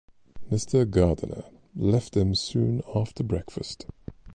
Mr. Gardiner left them soon after breakfast.